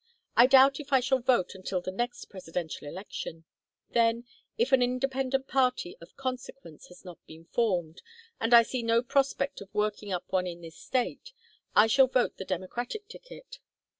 I doubt if I shall vote until the next Presidential election. Then, if an independent party of consequence has not been formed, and I see no prospect of working up one in this State, I shall vote the Democratic ticket.